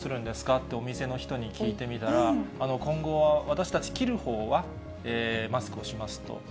ってお店の人に聞いてみたら、今後は私たち切るほうは、マスクをしますと。